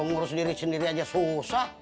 gue ngurus diri sendiri aja susah